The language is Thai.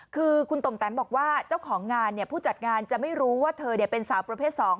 คือคุณตมแตมบอกว่าเจ้าของงานผู้จัดงานจะไม่รู้ว่าเธอเป็นสาวประเภท๒